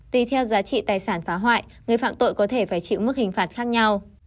tùy theo giá trị tài sản phá hoại người phạm tội có thể phải chịu mức hình phạt khác nhau